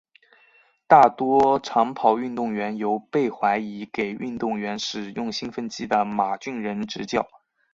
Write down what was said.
大多长跑运动员由被怀疑给运动员使用兴奋剂的马俊仁执教。